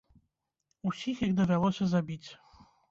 Усіх іх давялося забіць.